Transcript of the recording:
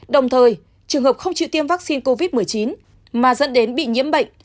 đồng thời trường hợp không chịu tiêm vaccine covid một mươi chín mà dẫn đến bị nhiễm bệnh